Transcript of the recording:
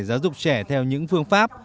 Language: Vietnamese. giáo dục trẻ theo những phương pháp